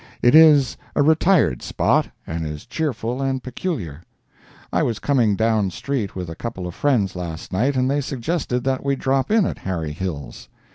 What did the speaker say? It is a retired spot, and is cheerful and peculiar. I was coming down street with a couple of friends last night, and they suggested that we drop in at Harry Hill's.